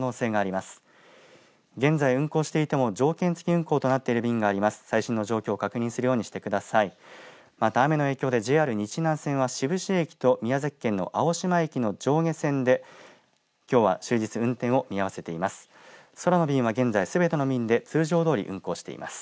また雨の影響でＪＲ日南線は志布志駅と宮崎県の青島駅の上下線できょうは終日、運転を見合わせています。